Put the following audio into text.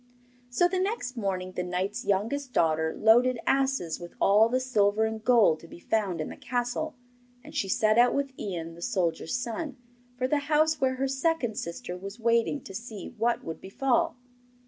So the next morning the knight's youngest daughter loaded asses with all the silver and gold to be found in the castle, and she set out with Ian the soldier's son for the house where her second sister was waiting to see what would befall.